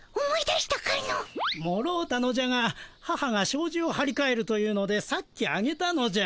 もろうたのじゃが母がしょうじをはりかえるというのでさっきあげたのじゃ。